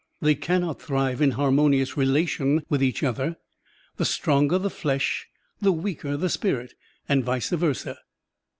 They cannot thrive in harmoniotis rela tion with each other. The stronger the flesh the weaker the spirit, and vice versa.